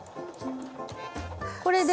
これで。